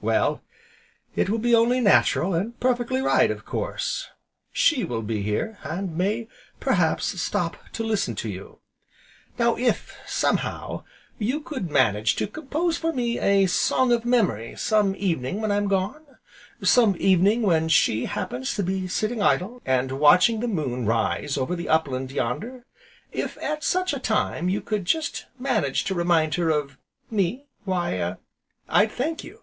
Well, it will be only natural, and perfectly right, of course, She will be here, and may, perhaps, stop to listen to you. Now if, somehow, you could manage to compose for me a Song of Memory, some evening when I'm gone, some evening when She happens to be sitting idle, and watching the moon rise over the upland yonder; if, at such a time, you could just manage to remind her of me, why I'd thank you.